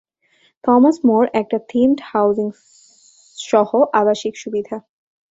Thomas More একটি themed housing সহ আবাসিক সুবিধা।